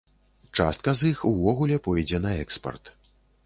Частка з іх увогуле пойдзе на экспарт.